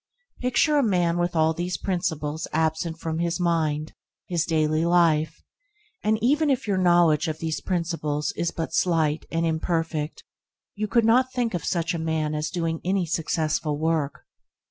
Picture a man with all these principles absent from his mind, his daily life, and even if your knowledge of these principles is but slight and imperfect, yet you could not think of such a man as doing any successful work.